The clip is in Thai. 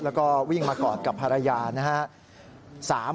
แล้วก็วิ่งมากอดกับภรรยานะครับ